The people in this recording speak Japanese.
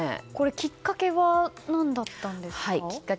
きっかけは何だったんですか？